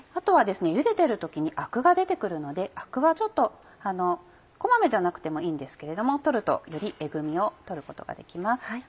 後はですねゆでてる時にアクが出て来るのでアクはこまめじゃなくてもいいんですけれども取るとよりえぐみを取ることができます。